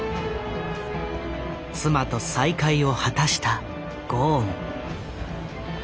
妻と再会を果たしたゴーン。